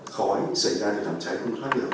khói xảy ra từ cháy không thoát được